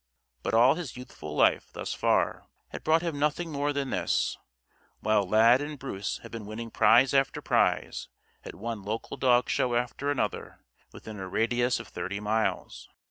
But all his youthful life, thus far, had brought him nothing more than this while Lad and Bruce had been winning prize after prize at one local dog show after another within a radius of thirty miles.